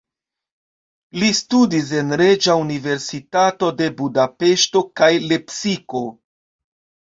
Li studis en Reĝa Universitato de Budapeŝto kaj Lepsiko.